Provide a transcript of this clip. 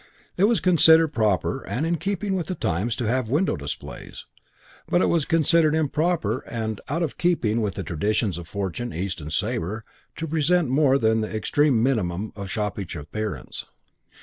It was considered proper and in keeping with the times to have window displays, but it was considered improper and out of keeping with the traditions of Fortune, East and Sabre to present more than the extreme minimum of shoppish appearance.